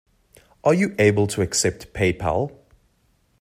Are you able to accept Paypal?